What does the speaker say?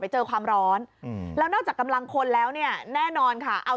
เจอความร้อนแล้วนอกจากกำลังคนแล้วเนี่ยแน่นอนค่ะเอา